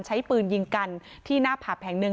ใช้ปืนยิงกันที่หน้าผับแห่งหนึ่ง